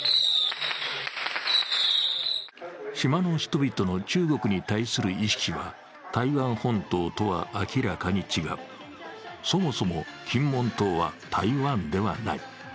島の人々の中国に対する意識は、台湾本島とは明らかに違うそもそも金門島は、台湾ではない。